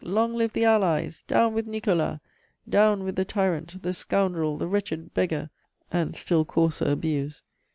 Long live the Allies! Down with Nicolas! Down with the tyrant, the scoundrel, the wretched beggar!' and still coarser abuse.